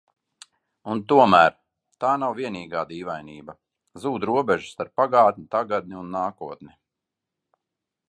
Un tomēr – tā nav vienīgā dīvainība. Zūd robežas starp pagātni, tagadni un nākotni.